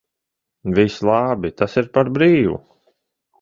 Viss labi, tas ir par brīvu.